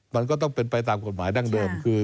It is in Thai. มันก็ต้องเป็นไปตามกฎหมายดั้งเดิมคือ